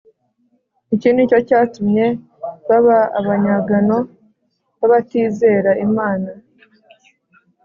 Iki nicyo cyatumye baba abanyagano b’abatizera Imana.